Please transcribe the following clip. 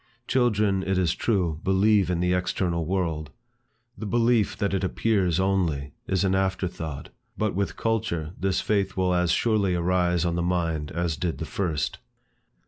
Children, it is true, believe in the external world. The belief that it appears only, is an afterthought, but with culture, this faith will as surely arise on the mind as did the first.